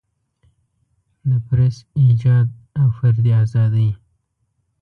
د پریس ایجاد او فردي ازادۍ.